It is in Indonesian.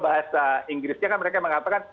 bahasa inggrisnya kan mereka mengatakan